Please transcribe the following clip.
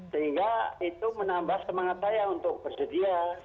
sehingga itu menambah semangat saya untuk bersedia